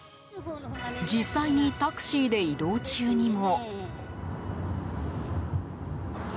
実際にタクシーで移動中にも。